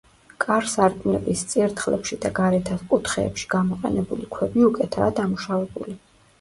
კარ-სარკმლების წირთხლებში და გარეთა კუთხეებში გამოყენებული ქვები უკეთაა დამუშავებული.